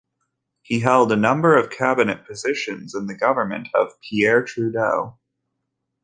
He held a number of cabinet positions in the government of Pierre Trudeau.